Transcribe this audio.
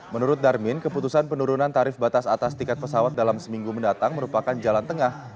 menurut darmin keputusan penurunan tarif batas atas tiket pesawat dalam seminggu mendatang merupakan jalan tengah